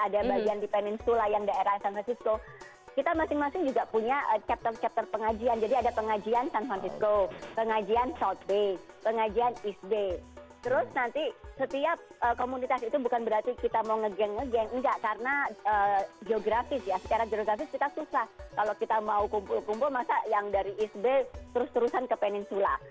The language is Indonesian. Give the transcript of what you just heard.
ada bagian di peninsula yang daerah san francisco kita masing masing juga punya chapter chapter pengajian jadi ada pengajian san francisco pengajian south bay pengajian east bay terus nanti setiap komunitas itu bukan berarti kita mau nge gang nge gang enggak karena geografis ya secara geografis kita susah kalau kita mau kumpul kumpul masa yang dari east bay terus terusan ke peninsula